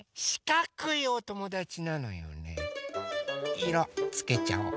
いろつけちゃおう。